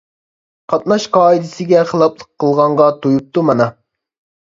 قاتناش قائىدىسىگە خىلاپلىق قىلغانغا تويۇپتۇ مانا!